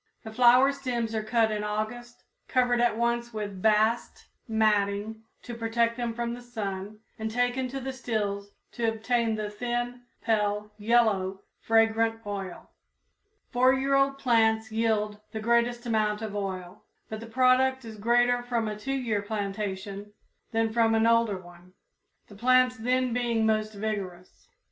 The flower stems are cut in August, covered at once with bast matting to protect them from the sun and taken to the stills to obtain the thin, pale yellow, fragrant oil. Four year old plants yield the greatest amount of oil, but the product is greater from a two year plantation than from an older one, the plants then being most vigorous.